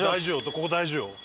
ここ大事よ。